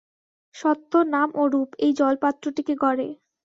সত্ত্ব, নাম ও রূপ এই জলপাত্রটিকে গড়ে।